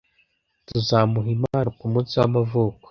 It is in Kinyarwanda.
Tuzamuha impano kumunsi w'amavuko.